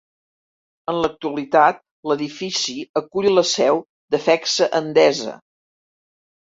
En l'actualitat, l'edifici acull la seu de Fecsa-Endesa.